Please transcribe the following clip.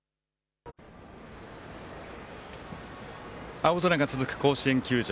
青空が続く甲子園球場。